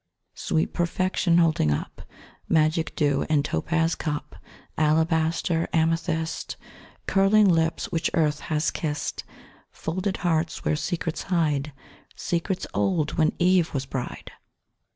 Sweet perfection, holding up Magic dew in topaz cup, Alabaster, amethyst Curling lips which Earth has kissed, Folded hearts where secrets hide, Secrets old when Eve was bride!